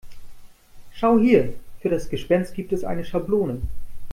Schau hier, für das Gespenst gibt es eine Schablone.